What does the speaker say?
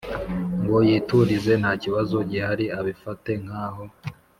ngo yiturize ntakibazo gihari abifate nkaho